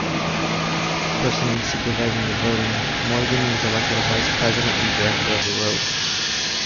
Personally supervising the voting, Morgan was elected a vice-president and director of the road.